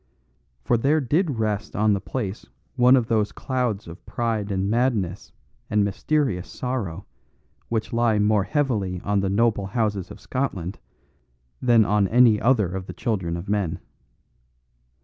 For there did rest on the place one of those clouds of pride and madness and mysterious sorrow which lie more heavily on the noble houses of Scotland than on any other of the children of men.